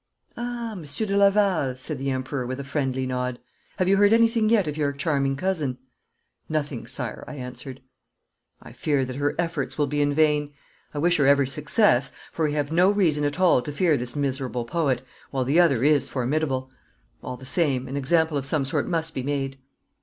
'Ah, Monsieur de Laval,' said the Emperor with a friendly nod. 'Have you heard anything yet of your charming cousin?' 'Nothing, Sire,' I answered. 'I fear that her efforts will be in vain. I wish her every success, for we have no reason at all to fear this miserable poet, while the other is formidable. All the same, an example of some sort must be made.'